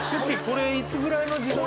これいつぐらいの自分？